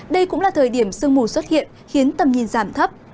đây cũng là thời điểm sương mù xuất hiện khiến tầm nhìn giảm thấp